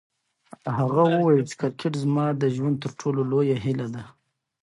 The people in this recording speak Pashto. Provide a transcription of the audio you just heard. هغه وویل چې کرکټ زما د ژوند تر ټولو لویه هیله ده.